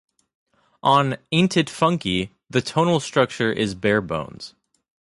On "Aint" it Funky" the tonal structure is barebones.